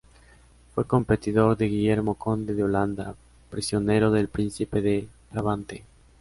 Fue competidor de Guillermo conde de Holanda, prisionero del príncipe de Brabante.